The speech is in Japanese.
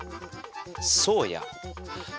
そうや。